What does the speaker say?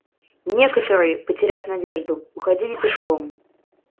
Некоторые, потеряв надежду, уходили пешком.